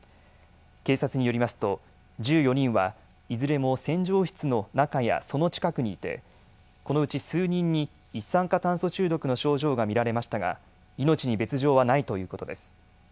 警察によりますと１４人はいずれも洗浄室の中やその近くにいて、このうち数人に一酸化炭素中毒の症状が見られましたが命に別状はないということです。